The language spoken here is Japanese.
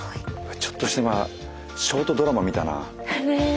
ちょっとした今ショートドラマ見たな。